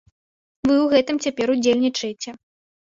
Вы ў гэтым цяпер ўдзельнічаеце.